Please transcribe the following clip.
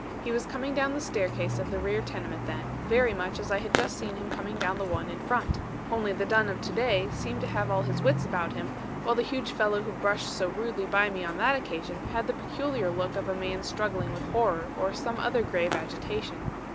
He was coming down the staircase of the rear tenement then, very much as I had just seen him coming down the one in front. Only the Dunn of to day seemed to have all his wits about him, while the huge fellow who brushed so rudely by me on that occasion had the peculiar look of a man struggling with horror or some other grave agitation.